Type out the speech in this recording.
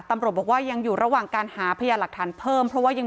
เขาบอกว่าดีใจเจอน้องดีใจเขาไม่กลัวอะไรสักอย่าง